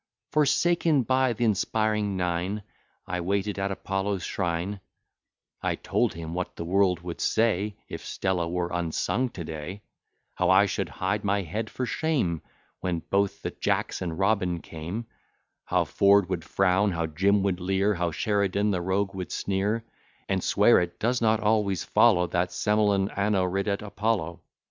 Forsaken by th'inspiring Nine, I waited at Apollo's shrine: I told him what the world would say, If Stella were unsung to day: How I should hide my head for shame, When both the Jacks and Robin came; How Ford would frown, how Jim would leer, How Sheridan the rogue would sneer, And swear it does not always follow, That semel'n anno ridet Apollo.